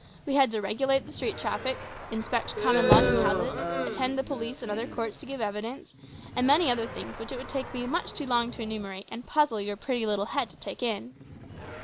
We had to regulate the street traffic; inspect common lodging houses; attend the police and other courts to give evidence, and many other things which it would take me much too long to enumerate, and puzzle your pretty little head to take in."